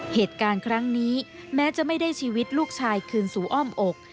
เหตุการณ์ครั้งนี้แม้จะไม่ได้ชีวิตลูกชายคืนสู่อ้อมอก